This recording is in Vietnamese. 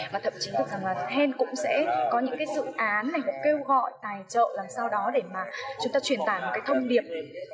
và thậm chí là hèn cũng sẽ có những cái dự án này một kêu gọi tài trợ làm sau đó để mà chúng ta truyền tả một cái thông điệp